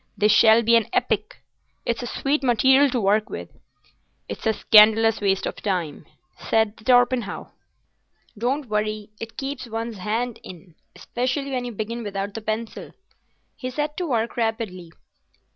This shall be an epic. It's a sweet material to work with." "It's a scandalous waste of time," said Torpenhow. "Don't worry; it keeps one's hand in—specially when you begin without the pencil." He set to work rapidly.